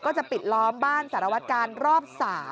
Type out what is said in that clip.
จะปิดล้อมบ้านสารวัตกาลรอบ๓